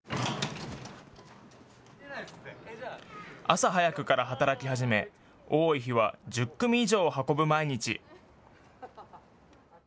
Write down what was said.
朝早くから働き始め多い日は１０組以上を運ぶ毎日。